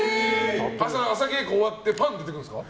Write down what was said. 朝稽古終わってパン出てくるんですか？